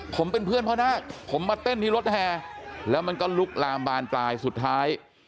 ผมเป็นเพื่อนพ่อนาคผมมาเต้นที่รถแห่แล้วมันก็ลุกลามบานปลายสุดท้าย